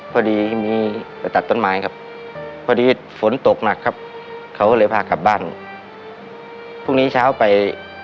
พอดีมีไปตัดต้นไม้ครับพอดีฝนตกหนักครับเขาเลยพากลับบ้านพรุ่งนี้เช้าไป